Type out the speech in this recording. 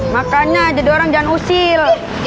makanya aja diorang jangan usil